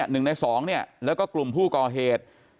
หนึ่งในสองเนี่ยแล้วก็กลุ่มผู้ก่อเหตุ